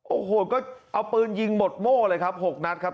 โอ้โหก็เอาปืนยิงหมดโม่เลยครับ๖นัดครับ